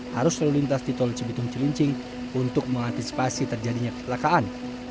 harus lalu lintas di tol cibitung cilincing untuk mengantisipasi terjadinya kecelakaan